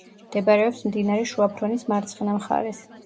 მდებარეობს მდინარე შუა ფრონის მარცხენა მხარეს.